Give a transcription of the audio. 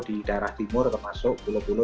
di daerah timur termasuk pulau pulau